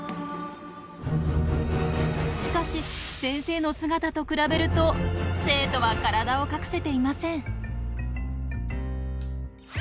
しかし先生の姿と比べると生徒は体を隠せていません。